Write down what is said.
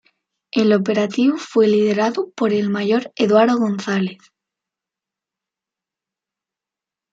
El operativo fue liderado por el mayor Eduardo González.